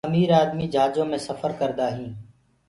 امير آدمي اُرآ جھآجو مي سڦر ڪرآ هينٚ۔